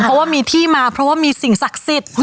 เพราะว่ามีที่มาเพราะว่ามีสิ่งศักดิ์สิทธิ์